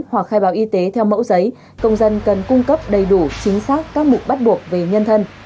hoặc khai báo y tế theo mẫu giấy công dân cần cung cấp đầy đủ chính xác các mục bắt buộc về nhân thân